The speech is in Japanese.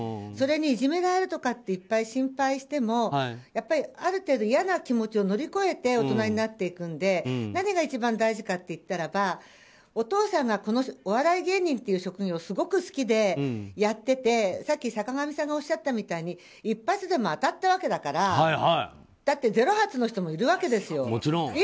それにいじめがあるとかって心配してもある程度、嫌な気持ちを乗り越えて大人になっていくので何が一番大事かといったらお父さんがお笑い芸人という職業をすごく好きでやっていてさっき坂上さんがおっしゃったみたいに一発でも当たったわけだから。だってゼロ発の人もいるわけですよ。